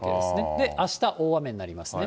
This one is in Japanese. で、あした大雨になりますね。